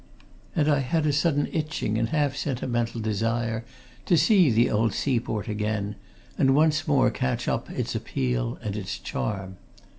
And I had a sudden itching and half sentimental desire to see the old seaport again, and once more catch up its appeal and its charm.